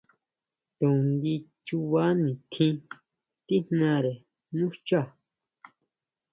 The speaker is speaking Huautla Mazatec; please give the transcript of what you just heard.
To ngui chuba nitjín tíjnare nú xchá.